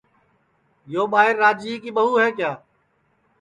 یو ٻائیر راجِئے ٻہُو ہے کِیا